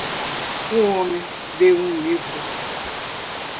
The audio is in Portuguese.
Um homem de um livro